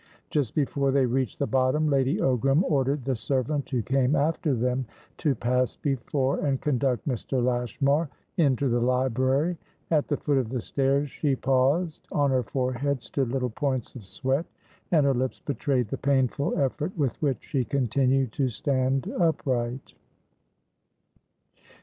Just before they reached the bottom, Lady Ogram ordered the servant who came after them to pass before and conduct Mr. Lashmar into the library. At the foot of the stairs, she paused; on her forehead stood little points of sweat, and her lips betrayed the painful effort with which she continued to stand upright.